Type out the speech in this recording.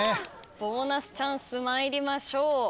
ボーナスチャンス参りましょう。